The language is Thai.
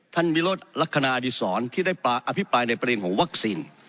วิรสลักษณะอดีศรที่ได้อภิปรายในประเด็นของวัคซีน